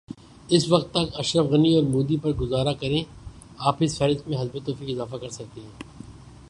اس وقت تک اشرف غنی اورمودی پر گزارا کریں آپ اس فہرست میں حسب توفیق اضافہ کرسکتے ہیں۔